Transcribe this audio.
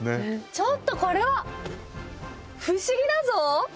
ちょっとこれは不思議だぞ。